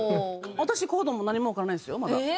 私コードも何もわからないですよまだ。